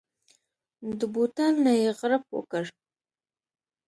د بوتل نه يې غړپ وکړ.